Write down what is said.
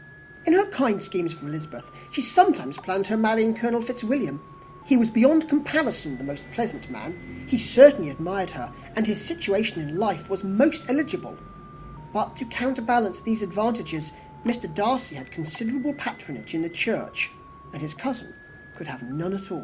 In her kind schemes for Elizabeth, she sometimes planned her marrying Colonel Fitzwilliam. He was, beyond comparison, the pleasantest man: he certainly admired her, and his situation in life was most eligible; but, to counterbalance these advantages, Mr. Darcy had considerable patronage in the church, and his cousin could have none at all.